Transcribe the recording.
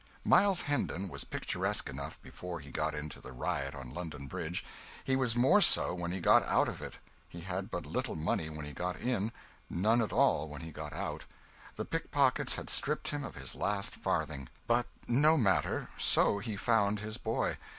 Miles Hendon was picturesque enough before he got into the riot on London Bridge he was more so when he got out of it. He had but little money when he got in, none at all when he got out. The pickpockets had stripped him of his last farthing. But no matter, so he found his boy.